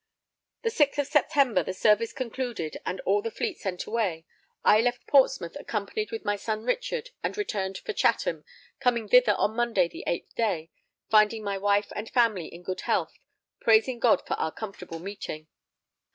The 6th September, the service concluded and all the Fleet sent away, I left Portsmouth accompanied with son Richard and returned for Chatham, coming thither on Monday the 8th day, finding my wife and family in good health, praising God for our comfortable meeting.